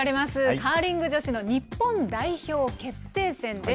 カーリング女子の日本代表決定戦です。